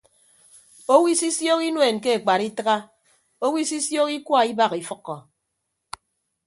Owo isisioho inuen ke ekpat itịgha owo isisioho ikua ibak ifʌkkọ.